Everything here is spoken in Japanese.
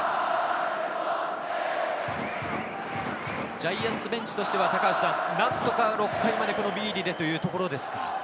ジャイアンツベンチとしては何とか６回までこのビーディでというところですか？